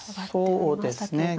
そうですね